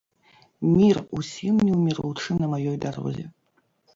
Мір усім неўміручым на маёй дарозе!